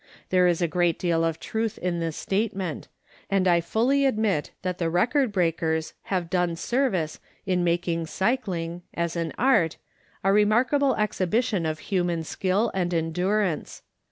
There is a great deal of truth in this statement, and I fully admit that the record breakers have done service in making cycling, as an art, a remarkable exhibition of human skill and endurance.